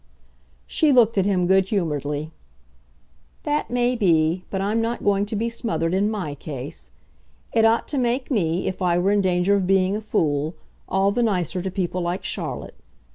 She looked at him good humouredly. "That may be but I'm not going to be smothered in MY case. It ought to make me if I were in danger of being a fool all the nicer to people like Charlotte.